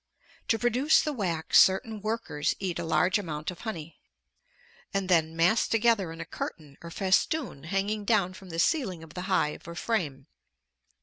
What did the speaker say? To produce the wax certain workers eat a large amount of honey, and then mass together in a curtain or festoon hanging down from the ceiling of the hive or frame.